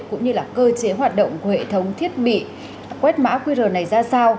cũng như là cơ chế hoạt động của hệ thống thiết bị quét mã qr này ra sao